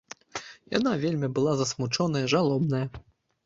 Яна вечна была засмучоная, жалобная.